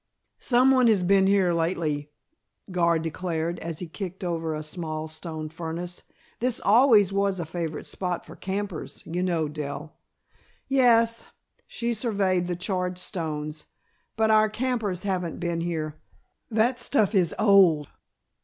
"Someone has been here lately," Gar declared, as he kicked over a small stone furnace. "This always was a favorite spot for campers, you know, Dell." "Yes." She surveyed the charred stones. "But our campers haven't been here. That stuff is old."